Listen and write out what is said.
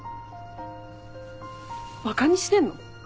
バカにしてんの？